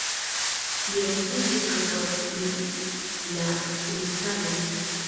Li okupiĝis ankaŭ pri la kristaloj.